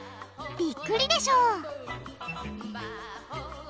びっくりでしょ